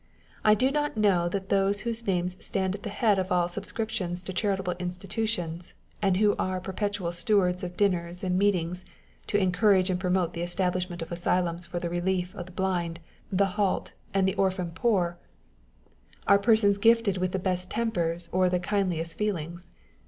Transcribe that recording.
I do not know that those whose names stand at the head of all subscriptions to charitable institutions, and who are per petual stewards of dinners and meetings to encourage aiw? promote the establishment of asyhims for the relief of the blind, the halt, and the orphan poor, are persons gifted On the Spirit of Obligations^ 111 with the best tempers or the kindliest feelings.